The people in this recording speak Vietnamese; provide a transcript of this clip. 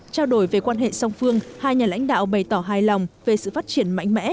trao đổi về quan hệ song phương hai nhà lãnh đạo bày tỏ hài lòng về sự phát triển mạnh mẽ